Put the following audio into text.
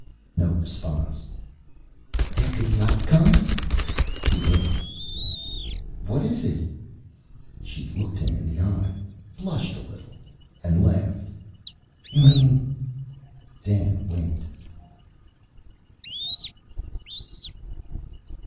No response. "After the yacht comes." He winked. "What is it?" She looked him in the eye, blushed a little, and laughed. "You mean " Dan winked.